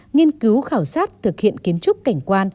nghiên cứu khảo sát thực hiện kiến trúc cảnh quan